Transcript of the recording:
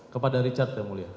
kepada richard ya mulia